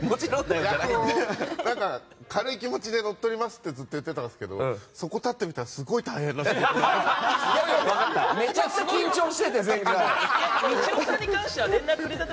軽い気持ちで乗っ取りますってずっと言ってたんですけどそこに立ってみたらすごい大変でした。